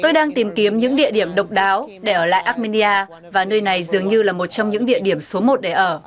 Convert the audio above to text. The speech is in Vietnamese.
tôi đang tìm kiếm những địa điểm độc đáo để ở lại armenia và nơi này dường như là một trong những địa điểm số một để ở